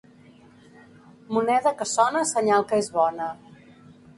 Moneda que sona senyal que és bona.